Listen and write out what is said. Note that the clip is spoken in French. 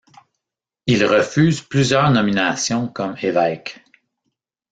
Il refuse plusieurs nominations comme évêque.